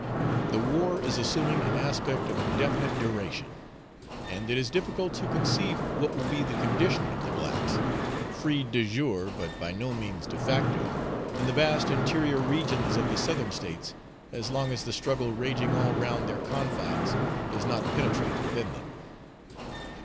The war is assuming an aspect of indefinite duration; and it is difficult to conceive what will be the condition of the blacks, freed de jure but by no means de facto, in the vast interior regions of the Southern States, as long as the struggle raging all round their confines does not penetrate within them.